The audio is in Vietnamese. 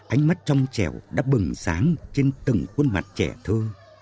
ánh mắt trong trèo đã bừng sáng trên từng khuôn mặt trẻ thơ